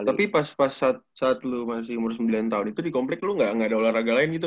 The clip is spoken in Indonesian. tapi pas pas saat lo masih umur sembilan tahun itu di komplek lo gak ada olahraga lain gitu